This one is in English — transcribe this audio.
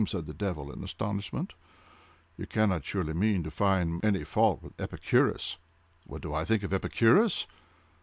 said the devil, in astonishment, "you cannot surely mean to find any fault with Epicurus! What do I think of Epicurus!